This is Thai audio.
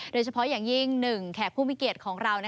โดยเฉพาะอย่างยิ่ง๑แขกผู้มีเกียรติของเรา